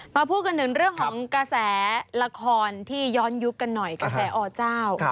พูดกันถึงเรื่องของกระแสละครที่ย้อนยุคกันหน่อยกระแสอเจ้า